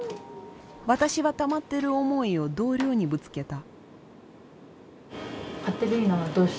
私はたまっている思いを同僚にぶつけた。